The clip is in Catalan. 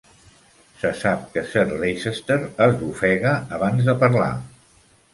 Se sap que Sir Leicester esbufega abans de parlar.